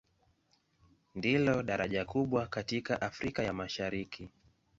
Ndilo daraja kubwa katika Afrika ya Mashariki.